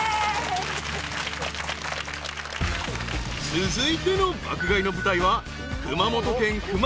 ［続いての爆買いの舞台は］